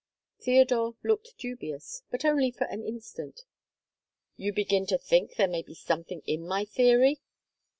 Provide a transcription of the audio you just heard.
Theodore looked dubious, but only for an instant. "You begin to think there may be something in my theory?"